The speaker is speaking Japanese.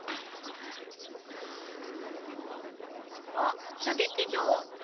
うん。あっ射撃場。